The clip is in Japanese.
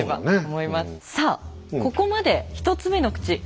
さあここまで１つ目の口